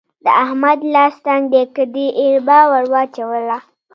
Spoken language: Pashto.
د احمد لاس تنګ دی؛ که دې اربه ور وچلوله.